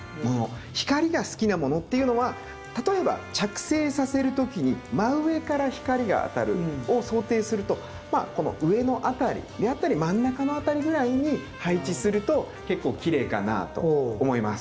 光が好きなものっていうのは例えば着生させる時に真上から光が当たるのを想定するとこの上の辺りであったり真ん中の辺りぐらいに配置すると結構きれいかなと思います。